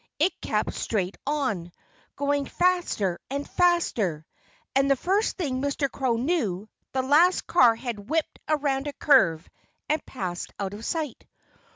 It kept straight on, going faster and faster. And the first thing Mr. Crow knew, the last car had whipped around a curve and passed out of sight.